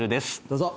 どうぞ！